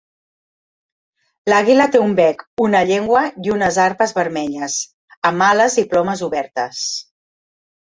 L'àguila té un bec, una llengua i unes arpes vermelles, amb ales i plomes obertes.